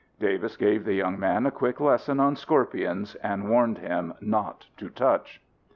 Davis gave the young man a quick lesson on scorpions and warned him not to touch.